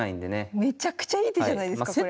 めちゃくちゃいい手じゃないですかこれ。